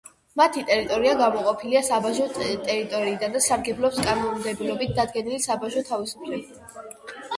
მათი ტერიტორია გამოყოფილია საბაჟო ტერიტორიიდან და სარგებლობს კანონმდებლობით დადგენილი საბაჟო თავისუფლებით.